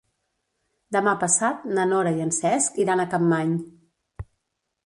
Demà passat na Nora i en Cesc iran a Capmany.